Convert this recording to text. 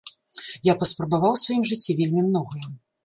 Я паспрабаваў у сваім жыцці вельмі многае.